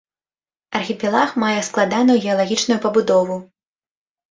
Архіпелаг мае складаную геалагічную пабудову.